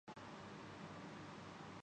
لیکن قدرت یا حالات کا کرنا دیکھیے۔